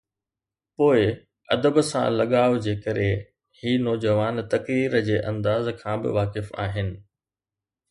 پوءِ ادب سان لڳاءُ جي ڪري هي نوجوان تقرير جي انداز کان به واقف آهن.